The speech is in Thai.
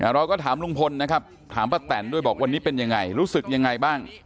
เราก็ถามลุงพลนะครับถามป้าแตนด้วยบอกวันนี้เป็นยังไงรู้สึกยังไงบ้าง